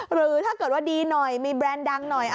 หรือถ้าเกิดว่าดีหน่อยมีแบรนด์ดังหน่อย